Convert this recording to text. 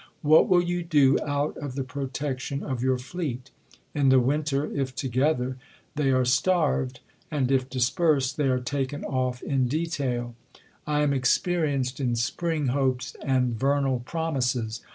What will you do out of the protection of your fleet ? In the w^inter, if together, they are starved ; and if dispersed, they are taken off in detail. I am exr perienced in spring hopes and vernal promises.